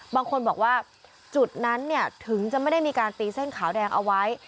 บางคนบอกว่าจุดนั้นถึงจะไม่ได้มีการตีเส้นขาวแดงเอาไว้